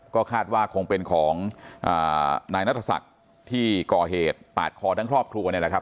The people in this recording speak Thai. ก็คาดว่าคงเป็นของนายนัทศักดิ์ที่ก่อเหตุปาดคอทั้งครอบครัวนี่แหละครับ